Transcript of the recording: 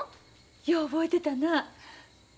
よう覚えてたな。